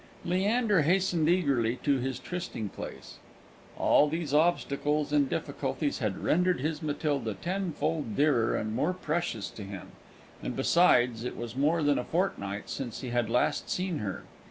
_ Leander hastened eagerly to his trysting place. All these obstacles and difficulties had rendered his Matilda tenfold dearer and more precious to him; and besides, it was more than a fortnight since he had last seen her.